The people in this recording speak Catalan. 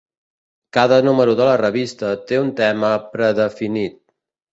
Cada número de la revista té un tema predefinit.